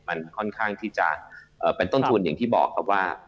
มันค่อนข้างที่จะเป็นต้นทุนอย่างที่บอกครับว่า